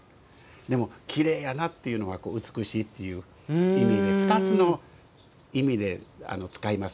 でもきれいやなっていうのは美しいという意味で２つの意味で使いますね